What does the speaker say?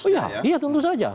iya tentu saja